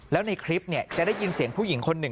แล้วในคลิปจะได้ยินเสียงผู้หญิงคนหนึ่ง